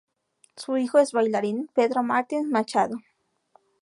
Su hijo es el bailarín Pedro Martins Machado.